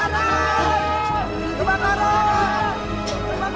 tapi gue tak percaya udah